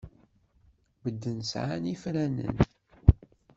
Medden sɛan ifranen.